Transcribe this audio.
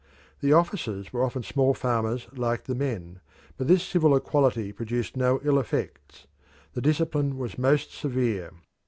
The officers were often small farmers like the men, but this civil equality produced no ill effects; the discipline was most severe.